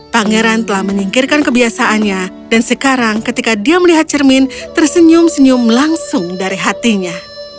pangeran telah menyingkirkan kebiasaannya dan sekarang ketika dia melihat cermin tersenyum senyum langsung dari hatinya